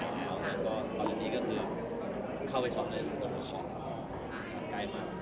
กโธมแล้วก็ตอนนี้ก็คือเข้าไปซอมในอุทธวะครทางไกรมากค่ะ